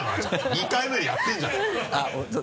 ２回目でやってるじゃねぇか。